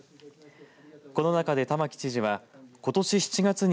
この中で玉城知事はことし７月に